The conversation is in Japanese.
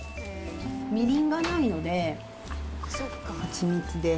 みりんがないので、蜂蜜で。